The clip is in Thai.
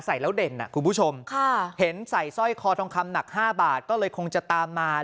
ใส่แล้วเด่นคุณผู้ชมเห็นใส่สร้อยคอทองคำหนัก๕บาทก็เลยคงจะตามมา